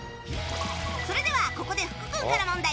それでは、ここで福君から問題。